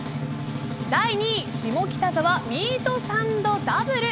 第２位下北沢ミートサンドダブル。